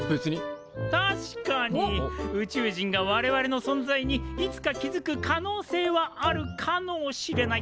確かに宇宙人が我々の存在にいつか気付く可能性はあるかのうしれない。